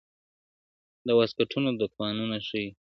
• د واسکټونو دوکانونه ښيي -